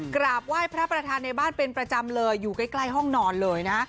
กราบไหว้พระประธานในบ้านเป็นประจำเลยอยู่ใกล้ห้องนอนเลยนะ